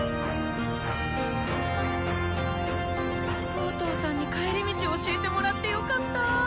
トートーさんに帰り道教えてもらってよかった！